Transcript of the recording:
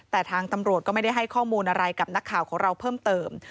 แต่ทางตำรวจก็ไม่ได้ให้ข้อมูลอะไรกับนักข่าวของเราเพิ่มเติม